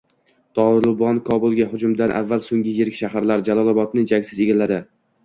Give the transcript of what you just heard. “Tolibon” Kobulga hujumdan avval so‘nggi yirik shahar — Jalolobodni jangsiz egalladi